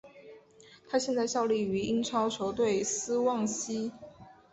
他现在效力于英超球队斯旺西。